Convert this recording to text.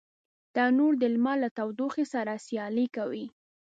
تنور د لمر له تودوخي سره سیالي کوي